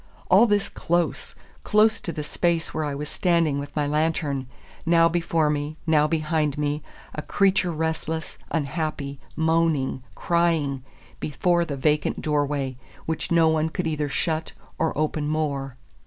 All this close, close to the space where I was standing with my lantern, now before me, now behind me: a creature restless, unhappy, moaning, crying, before the vacant door way, which no one could either shut or open more.